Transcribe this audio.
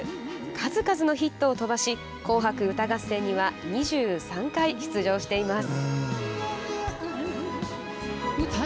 数々のヒットを飛ばし「紅白歌合戦」には２３回出場しています。